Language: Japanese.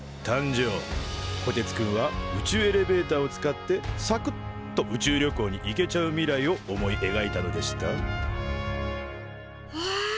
こてつくんは宇宙エレベーターを使ってさくっと宇宙旅行に行けちゃう未来を思いえがいたのでしたほえ